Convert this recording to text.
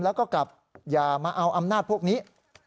แล้วก็กลับอย่ามาเอาอำนาจพวกนี้